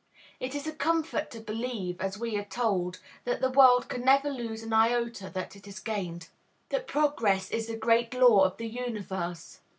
It is a comfort to believe, as we are told, that the world can never lose an iota that it has gained; that progress is the great law of the universe.